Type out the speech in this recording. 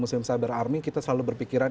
muslim cyber army kita selalu berpikiran